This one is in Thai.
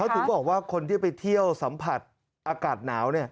ถึงบอกว่าคนที่ไปเที่ยวสัมผัสอากาศหนาว